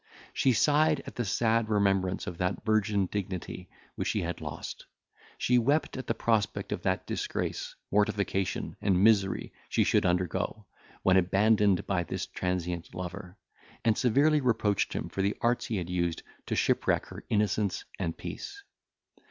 She sighed at the sad remembrance of that virgin dignity which she had lost; she wept at the prospect of that disgrace, mortification, and misery she should undergo, when abandoned by this transient lover, and severely reproached him for the arts he had used to shipwreck her innocence and peace.